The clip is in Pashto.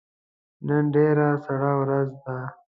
نن ډیره سړه ورځ ده